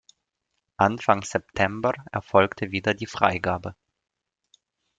Anfang September erfolgte wieder die Freigabe.